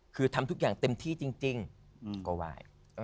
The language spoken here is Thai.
คือทำทุกอย่างเต็มที่จริงก็ไหว้